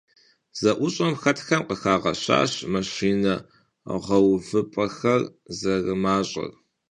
ЗэӀущӀэм хэтхэм къыхагъэщащ машинэ гъэувыпӀэхэр зэрымащӀэр.